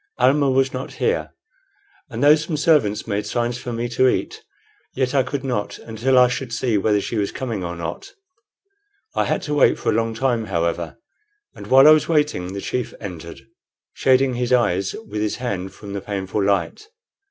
Almah was not here; and though some servants made signs for me to eat, yet I could not until I should see whether she was coming or not. I had to wait for a long time, however; and while I was waiting the chief entered, shading his eyes with his hand from the painful light.